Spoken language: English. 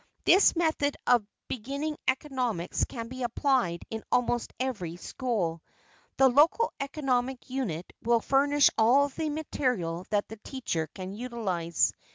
This method of beginning economics can be applied in almost every school. The local economic unit will furnish all the material that the teacher can utilize.